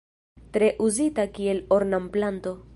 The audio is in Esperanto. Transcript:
Tre uzita kiel ornamplanto.